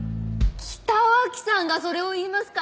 北脇さんがそれを言いますか。